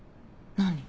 何？